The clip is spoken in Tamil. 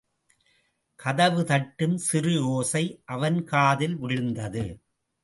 கதவு தட்டும் சிறு ஓசை அவன் காதில் விழுந்தது.